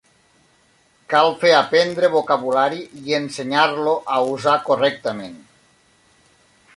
Cal fer aprendre vocabulari i ensenyar-lo a usar correctament.